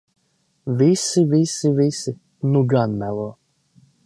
Visi, visi, visi... Nu gan melo!